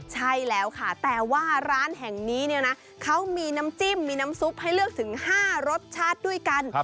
ใช่แล้วค่ะแต่ว่าร้านแห่งนี้เนี่ยนะเขามีน้ำจิ้มมีน้ำซุปให้เลือกถึง๕รสชาติด้วยกัน